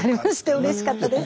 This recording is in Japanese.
うれしかったです。